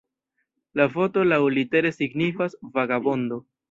La voto laŭlitere signifas "vagabondo".